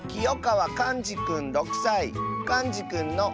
かんじくんの。